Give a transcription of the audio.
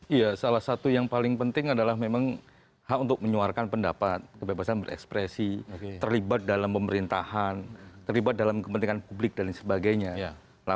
iya salah satu yang paling penting adalah memang hak untuk menyuarkan pendapat kebebasan berekspresi terlibat dalam pemerintahan terlibat dalam kepentingan publik dan sebagainya